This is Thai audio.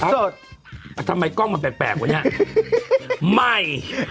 สดอะทำไมกล้องมันแปลกแปลกวันนี้ไม่